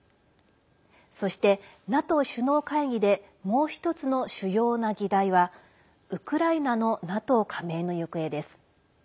そして、ＮＡＴＯ首脳会議でもう一つの主要な議題はウクライナのＮＡＴＯ加盟の行方です。